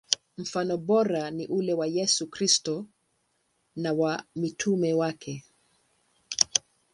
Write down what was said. Mfano bora ni ule wa Yesu Kristo na wa mitume wake.